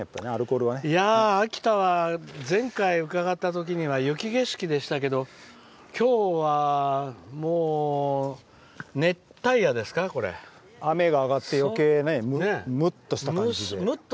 秋田は前回伺ったときには雪景色でしたけど今日はもう雨が上がってむっとした感じで。